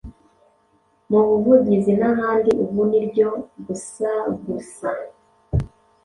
mu buvuzi n’ahandi ubu ni ryo gusagusa,...